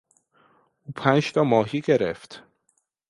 او پنج تا ماهی گرفت.